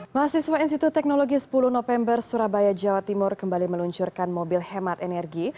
mahasiswa institut teknologi sepuluh november surabaya jawa timur kembali meluncurkan mobil hemat energi